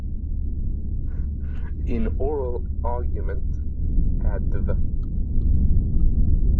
In oral argument, Adv.